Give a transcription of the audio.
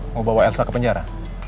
mau bawa elsa ke penjara